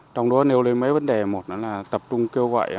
trong đó nêu lên mấy vấn đề một là tập trung kêu gọi